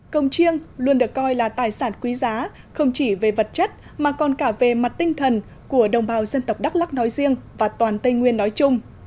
công chiêng luôn được coi là tài sản quý giá không chỉ về vật chất mà còn cả về mặt tinh thần của đồng bào dân tộc đắk lắc nói riêng và toàn tây nguyên nói chung